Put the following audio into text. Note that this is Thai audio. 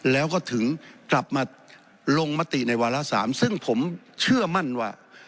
แล้วก็ถึงกลับมาลงมติในวาระ๓ซึ่งผมเชื่อมั่นว่า